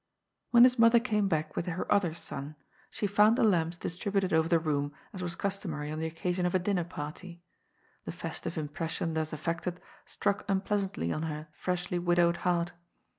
When his mother came back with her other son, she found the lamps distributed over the room as was custom ary on the occasion of a dinner party. The festive impres sion thus effected struck unpleasantly on her freshly wid owed heart.